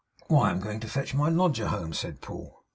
'Why, I am going to fetch my lodger home,' said Paul.